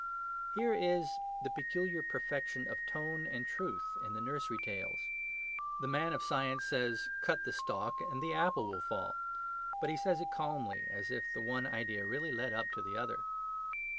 Here is the peculiar perfection of tone and truth in the nursery tales. The man of science says, "Cut the stalk, and the apple will fall"; but he says it calmly, as if the one idea really led up to the other.